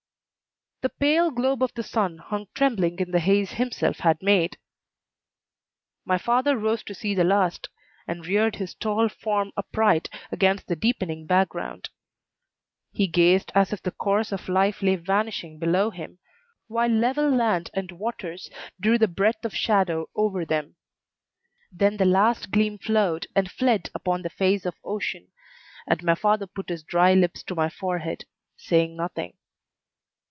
The pale globe of the sun hung trembling in the haze himself had made. My father rose to see the last, and reared his tall form upright against the deepening background. He gazed as if the course of life lay vanishing below him, while level land and waters drew the breadth of shadow over them. Then the last gleam flowed and fled upon the face of ocean, and my father put his dry lips to my forehead, saying nothing.